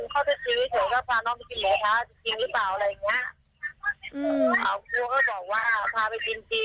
คืออยากถามข้อมูลข้อเจ้าชีวิตเกี่ยวก็พาน้องไปกินหมูกระท้าจริงหรือเปล่าอะไรอย่างนี้